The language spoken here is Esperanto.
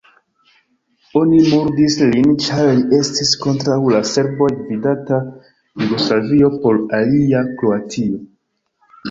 Oni murdis lin, ĉar li estis kontraŭ la serboj-gvidata Jugoslavio, por alia Kroatio.